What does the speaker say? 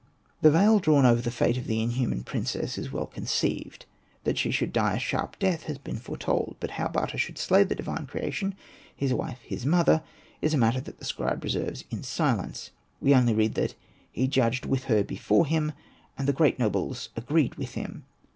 The veil drawn over the fate of the inhuman princess is well conceived. That she should die a sharp death has been fore told ; but how Bata should slay the divine creation — his wife — his mother — is a matter that the scribe reserv^es in silence ; we only read that '' he judged with her before him, and the great nobles agreed with him.''